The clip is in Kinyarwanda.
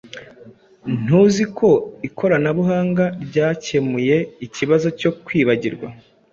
Ntuzi ko ikoranabuhanga ryakemuye ikibazo cyo kwibagirwa.